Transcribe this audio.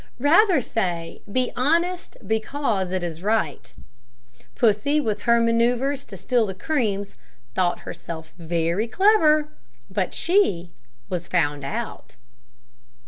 Rather say, "Be honest because it is right." Pussy, with her manoeuvres to steal the creams, thought herself very clever, but she was found out.